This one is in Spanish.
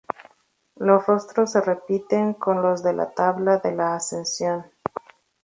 Los rostros se repiten con los de la tabla de la Ascensión.